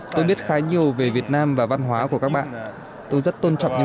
tôi biết khá nhiều về việt nam và văn hóa của các bạn